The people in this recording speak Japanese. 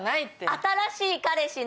新しい彼氏の！